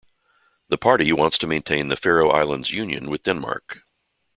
The party wants to maintain the Faroe Islands union with Denmark.